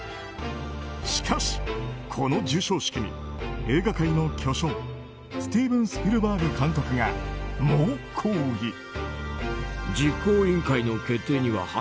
しかし、この授賞式に映画界の巨匠スティーブン・スピルバーグ監督が猛抗議。